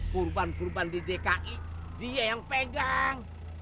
kurban kurban di dki dia yang pegang